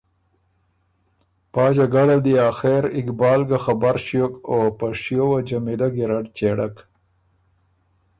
پا جګړه ل دی آخر اقبال ګه خبر ݭیوک او په شیو وه جمیلۀ ګیرډ چېړک